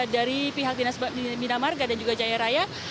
dari pihak dinas bidamarga dan juga jaya raya